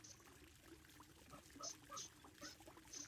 仙馔密酒是指希腊神话中诸神的食物。